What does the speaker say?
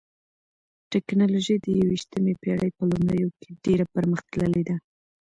ټکنالوژي د یوویشتمې پېړۍ په لومړیو کې ډېره پرمختللې ده.